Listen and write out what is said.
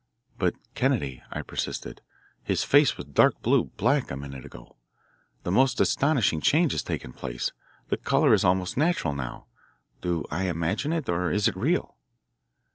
"But, Kennedy," I persisted; "his face was dark blue, black a minute ago. The most astonishing change has taken place. Its colour is almost natural now. Do I imagine it or is it real?"